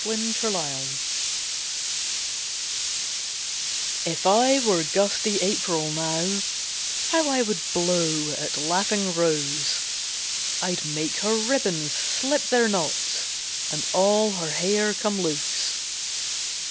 LAUGHING ROSE If I were gusty April now, How I would blow at laughing Rose; I'd make her ribbons slip their knots, And all her hair come loose.